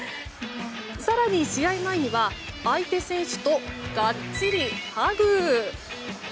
更に、試合前には相手選手とがっちりハグ。